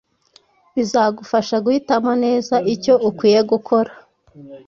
Bizagufasha guhitamo neza icyo ukwiye gukora